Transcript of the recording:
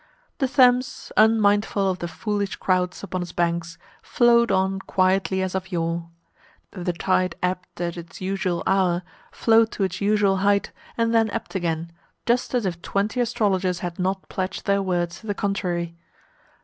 The Thames, unmindful of the foolish crowds upon its banks, flowed on quietly as of yore. The tide ebbed at its usual hour, flowed to its usual height, and then ebbed again, just as if twenty astrologers had not pledged their words to the contrary.